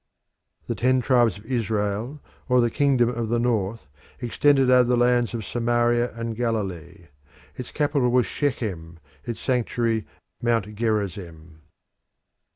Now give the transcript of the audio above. The ten tribes of Israel, or the Kingdom of the North, extended over the lands of Samaria and Galilee. Its capital was Shechem, its sanctuary Mount Gerizim.